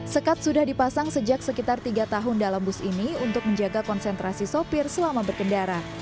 sekat sudah dipasang sejak sekitar tiga tahun dalam bus ini untuk menjaga konsentrasi sopir selama berkendara